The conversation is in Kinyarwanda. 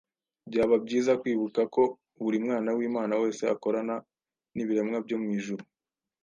Byaba byiza kwibuka ko buri mwana w’Imana wese akorana n’ibiremwa byo mu ijuru.